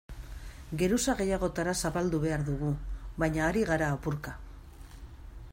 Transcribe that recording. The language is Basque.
Geruza gehiagotara zabaldu behar dugu, baina ari gara apurka.